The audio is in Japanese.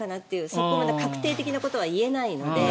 そこまでの確定的なことまでは言えないので。